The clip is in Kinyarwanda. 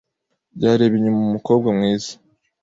Yareba inyuma umukobwa mwiza.